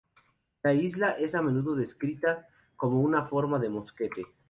La isla es a menudo descrita como una forma de mosquete.